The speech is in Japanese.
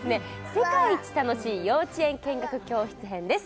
世界一楽しい幼稚園見学教室編です